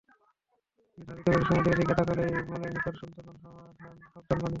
তিনি ঢিবিতে বসে সমুদ্রের দিকে তাকালেই মনের ভেতর শুনতে পান সাবধান বাণী।